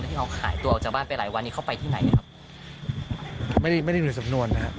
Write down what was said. ที่เขาขายตัวออกจากบ้านไปหลายวันนี้เขาไปที่ไหนครับไม่ได้ไม่ได้ดูสำนวนนะครับ